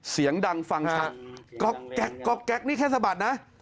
เสียงดังฟังค่ะก๊อกแก๊กก๊อกแก๊กนี่แค่สะบัดนะ